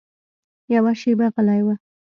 يوه شېبه غلى و.